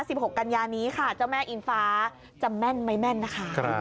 หกกันยานี้ค่ะเจ้าแม่อิงฟ้าจะแม่นไหมแม่นนะคะ